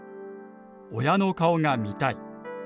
「親の顔がみたい」。